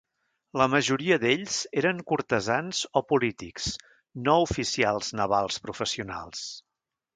La majoria d'ells eren cortesans o polítics, no oficials navals professionals.